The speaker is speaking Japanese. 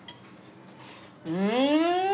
うん！